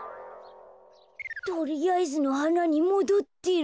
とりあえずのはなにもどってる。